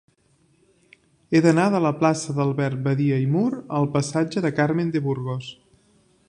He d'anar de la plaça d'Albert Badia i Mur al passatge de Carmen de Burgos.